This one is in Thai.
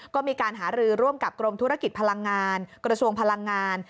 ก็มีการหารือร่วมกับกรมธุรกิจพลังงานกระทรวงพลังงาน